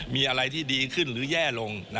มีอะไรที่ดีขึ้นหรือแย่ลง